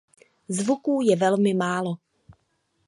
Zvuků je velmi málo.